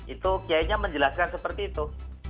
itu iai nya menjelaskan seperti itu